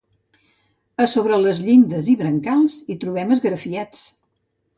A sobre les llindes i brancals hi trobem esgrafiats.